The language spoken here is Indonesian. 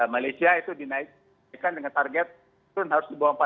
malaysia itu dinaikkan dengan target turun harus di bawah empat puluh